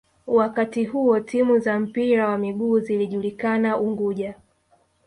Wakati huo timu za mpira wa miguu zilijulikana Unguja